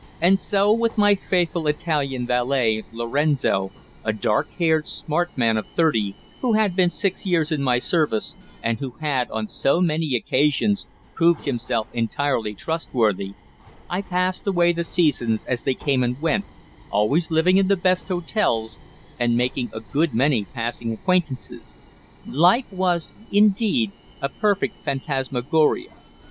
And so, with my faithful Italian valet, Lorenzo, a dark haired, smart man of thirty, who had been six years in my service, and who had, on so many occasions, proved himself entirely trustworthy, I passed away the seasons as they came and went, always living in the best hotels, and making a good many passing acquaintances. Life was, indeed, a perfect phantasmagoria.